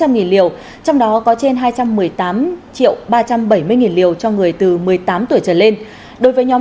nghìn liều trong đó có trên hai trăm một mươi tám triệu ba trăm bảy mươi nghìn liều cho người từ một mươi tám tuổi trở lên đối với nhóm